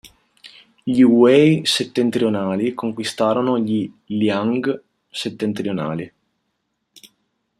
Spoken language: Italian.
Gli Wei settentrionali conquistarono gli Liang Settentrionali.